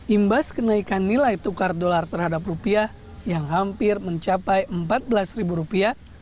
imbas kenaikan nilai tukar dolar terhadap rupiah yang hampir mencapai empat belas ribu rupiah